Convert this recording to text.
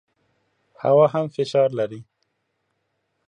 هوا هم فشار لري.